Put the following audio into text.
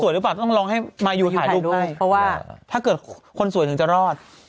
รับว่าถ้าเกิดคนสวยถึงจะรอด